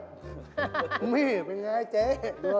นั่งอู้ที่ไหนพี่บอนก็ไม่ใช่คนเนื้อ